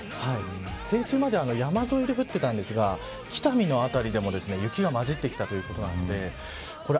先週までは山沿いで降っていたんですが北見の辺りでも雪がまじってきたということなんでこれ